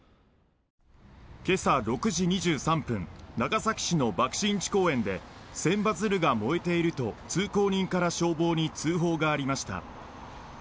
今朝６時２３分長崎市の爆心地公園で千羽鶴が燃えていると通行人から消防に通報がありました。